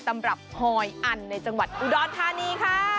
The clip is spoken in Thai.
สำหรับฮอยอันในจังหวัดอุดรธานีค่ะ